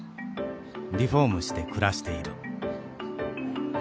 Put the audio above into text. リフォームして暮らしている。